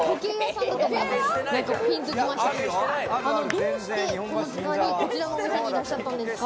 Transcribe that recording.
どうして、この時間にこちらのお店にいらっしゃったんですか？